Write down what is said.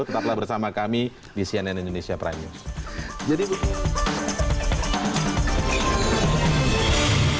tetaplah bersama kami di cnn indonesia prime news